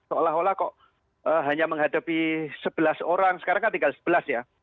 seolah olah kok hanya menghadapi sebelas orang sekarang kan tinggal sebelas ya